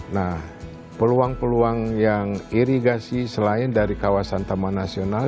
nah peluang peluang yang irigasi selain dari kawasan taman nasional